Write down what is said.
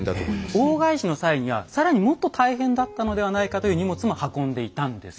大返しの際には更にもっと大変だったのではないかという荷物も運んでいたんです。